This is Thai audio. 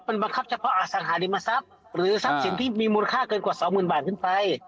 มันบังคับเฉพาะอสังหาริมทรัพย์หรือทรัพย์สินที่มีมูลค่าเกินกว่าสองหมื่นบาทขึ้นไป